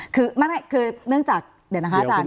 คือไม่คือเนื่องจากเดี๋ยวนะคะอาจารย